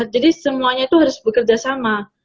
jadi semuanya itu harus bekerjasama